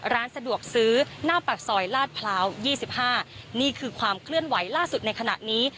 ร้านสะดวกซื้อหน้าปากซอยลาดพร้าว๒๕นี่คือความเคลื่อนไหวล่าสุดในขณะนี้